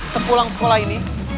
sepulang sekolah ini